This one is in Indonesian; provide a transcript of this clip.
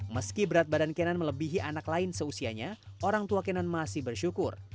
meski berat badan kenan melebihi anak lain seusianya orang tua kanan masih bersyukur